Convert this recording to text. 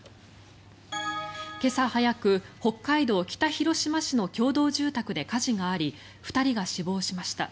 今朝早く、北海道北広島市の共同住宅で火事があり２人が死亡しました。